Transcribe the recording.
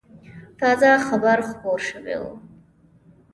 تازه خبر خپور شوی و.